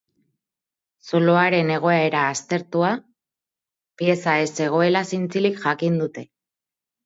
Zuloaren egoera aztertuta, pieza ez zegoela zintzilik jakin dute